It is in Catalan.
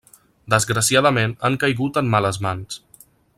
Desgraciadament, han caigut en males mans.